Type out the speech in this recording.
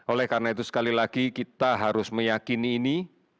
oleh karena itu sekali lagi kita harus meyakini ini